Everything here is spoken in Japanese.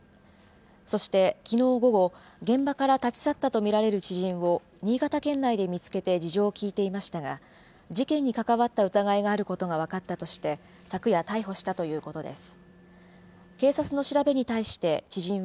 そしてきのう午後、現場から立ち去ったと見られる知人を新潟県内で見つけて事情を聴いていましたが、事件に関わった疑いがあることが分かったとして、昨夜、逮捕したということです。